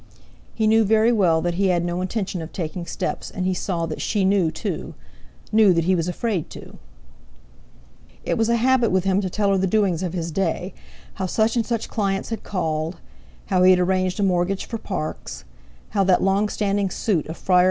He knew very well that he had no intention of taking steps, and he saw that she knew too—knew that he was afraid to. It was a habit with him to tell her the doings of his day: how such and such clients had called; how he had arranged a mortgage for Parkes; how that long standing suit of Fryer v.